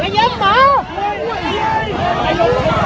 เฮียเฮียเฮีย